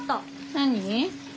何？